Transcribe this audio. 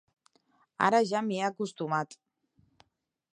Ara ja m'hi he acostumat.